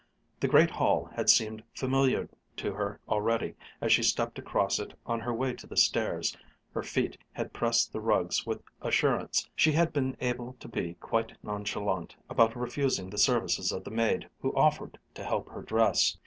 The great hall had seemed familiar to her already as she stepped across it on her way to the stairs, her feet had pressed the rugs with assurance, she had been able to be quite nonchalant about refusing the services of the maid who offered to help her dress.